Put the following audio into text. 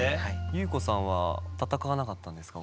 裕子さんは戦わなかったんですか？